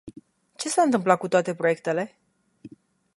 Ce s-a întâmplat cu toate proiectele?